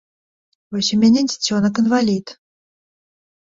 Вось у мяне дзіцёнак-інвалід.